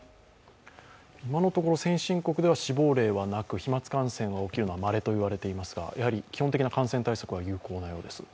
今のところ先進国では、死亡例がなく飛まつ感染が起きるのはまれと言われていますがやはり基本的な感染対策は有効なようです。